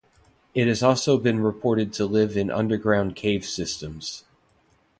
It has also been reported to live in underground cave systems.